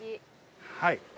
はい。